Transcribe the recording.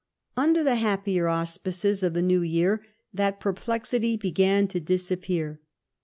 Under the liap})ler auspices of the new year that perplexity began to disappear.